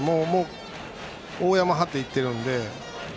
大ヤマ張っていってるので。